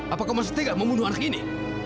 apakah kau masih tidak mau bunuh anak ini